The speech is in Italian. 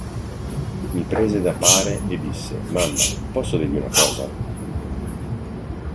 Mi prese da pare e disse: "Mamma, posso dirgli una cosa?".